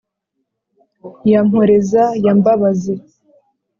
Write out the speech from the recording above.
ya mporeza ya mbabazi,